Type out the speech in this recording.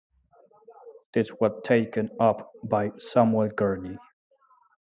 This was taken up by Samuel Gurney.